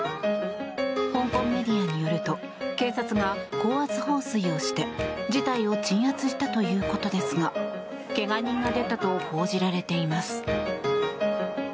香港メディアによると警察が高圧放水をして事態を鎮圧したということですがけが人が出たと報じられています。